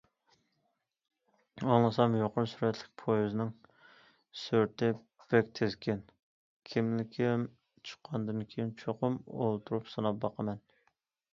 ئاڭلىسام يۇقىرى سۈرئەتلىك پويىزنىڭ سۈرئىتى بەك تېزكەن، كىملىكىم چىققاندىن كېيىن چوقۇم ئولتۇرۇپ سىناپ باقىمەن.